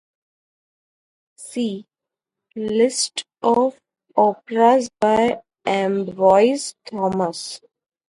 See: List of operas by Ambroise Thomas.